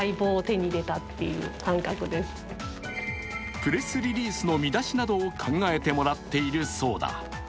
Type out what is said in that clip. プレスリリースの見出しなどを考えてもらっているそうだ。